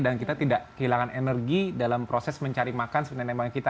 dan kita tidak kehilangan energi dalam proses mencari makan nenek moyang kita